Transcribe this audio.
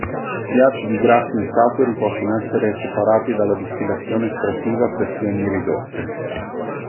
Gli acidi grassi insaturi possono essere separati dalla distillazione estrattiva a pressioni ridotte.